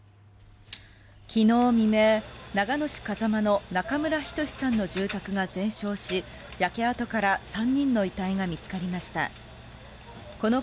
昨日未明、長野市風間の中村均さんの住宅が全焼し焼け跡から３人の遺体が見つかりました。